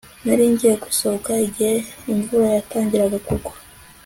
Nari ngiye gusohoka igihe imvura yatangiraga kugwa